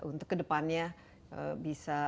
untuk kedepannya bisa